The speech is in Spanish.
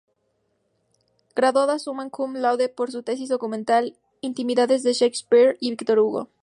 Graduada Summa Cum Laude por su tesis documental "Intimidades de Shakespeare y Víctor Hugo".